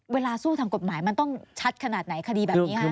เวลาสู้ทางกฎหมายมันต้องชัดขนาดไหนคดีแบบนี้ฮะ